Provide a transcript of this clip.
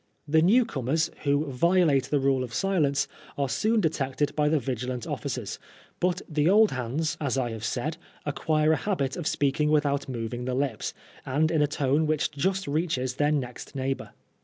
The new comers, who violate the rule of silence, are soon detected by the vigilant officers, but the old hands, as I have said, acquire a habit of speak ing without moving the lips, and in a tone which just reaches their next neighbor.